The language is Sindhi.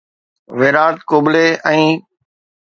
ويرات ڪبلي ۽